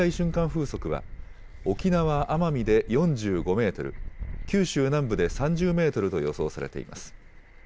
風速は沖縄・奄美で４５メートル、九州南部で３０メートルと予想されています。